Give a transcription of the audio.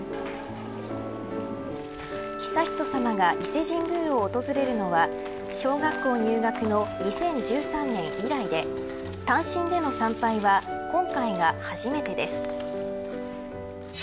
悠仁さまが伊勢神宮を訪れるのは小学校入学の２０１３年以来で単身での参拝は今回が初めてです。